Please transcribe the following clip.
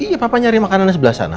iya papa nyari makanan sebelah sana